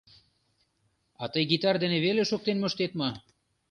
— А тый гитар дене веле шоктен моштет мо?